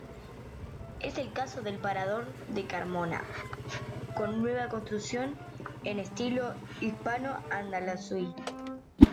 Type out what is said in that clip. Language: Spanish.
Es el caso del Parador de Carmona, con nueva construcción en estilo Hispano-andalusí.